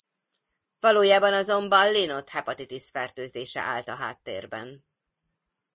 Valójában azonban Lynott hepatitis fertőzése állt a háttérben.